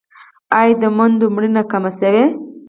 آیا د میندو مړینه کمه شوې؟